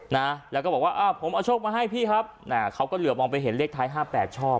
นะแล้วก็บอกว่าอ่าผมเอาโชคมาให้พี่ครับอ่าเขาก็เหลือมองไปเห็นเลขท้ายห้าแปดชอบ